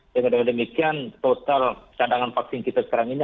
dengan demikian total cadangan vaksin kita sekarang ini